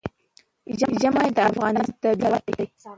ژمی د افغانستان طبعي ثروت دی.